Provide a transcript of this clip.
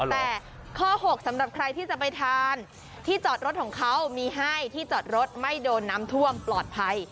แต่ข้อ๖สำหรับใครที่จะไปทานที่จอดรถของเขามีให้ที่จอดรถไม่โดนน้ำท่วมปลอดภัย